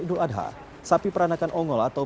idul adha sapi peranakan ongol atau